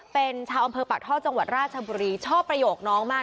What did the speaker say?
เป็นชาวอำเภอปากท่อจังหวัดราชบุรีชอบประโยคน้องมาก